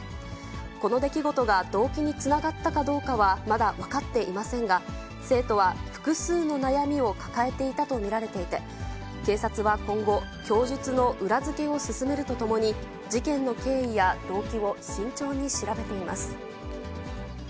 この出来事が動機につながったかどうかはまだ分かっていませんが、生徒は複数の悩みを抱えていたと見られていて、警察は今後、供述の裏付けを進めるとともに、事件の経緯や動機を慎重に調べています。